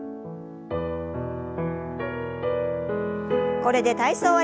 これで体操を終わります。